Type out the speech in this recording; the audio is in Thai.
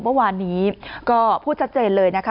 เมื่อวานนี้ก็พูดชัดเจนเลยนะคะ